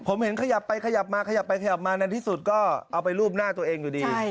ผมเห็นขยับไปขยับมาขยับไปขยับมาในที่สุดก็เอาไปรูปหน้าตัวเองอยู่ดี